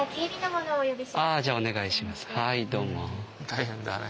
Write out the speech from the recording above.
大変だね。